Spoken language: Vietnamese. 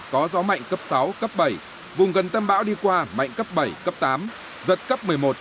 có gió mạnh cấp sáu cấp bảy vùng gần tâm bão đi qua mạnh cấp bảy cấp tám giật cấp một mươi một